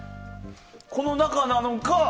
この中なのか。